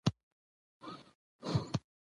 د تېلو او ګازو استخراج موږ له وارداتو بې غمه کوي.